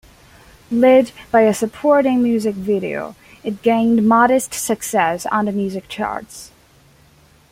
Led by a supporting music video, it gained modest success on the music charts.